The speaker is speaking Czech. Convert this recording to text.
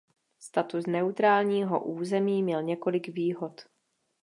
Status neutrálního území měl několik výhod.